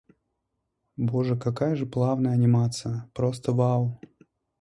Боже, какая же плавная анимация! Просто вау-у-у!